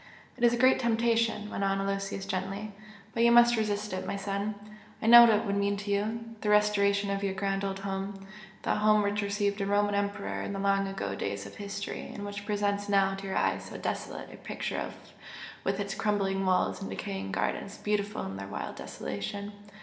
"It is a great temptation," went on Aloysius, gently "But you must resist it, my son! I know what it would mean to you the restoration of your grand old home that home which received a Roman Emperor in the long ago days of history and which presents now to your eyes so desolate a picture with its crumbling walls and decaying gardens beautiful in their wild desolation!